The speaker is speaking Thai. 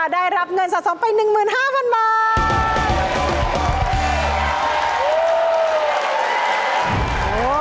ได้รับเงินสะสมไป๑๕๐๐๐บาท